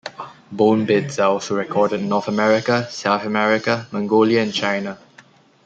Bone beds are also recorded in North America, South America, Mongolia and China.